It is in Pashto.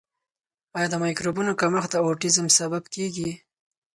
آیا د مایکروبونو کمښت د اوټیزم سبب کیږي؟